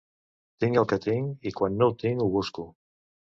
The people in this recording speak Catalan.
Tinc el que tinc i quan no ho tinc ho busco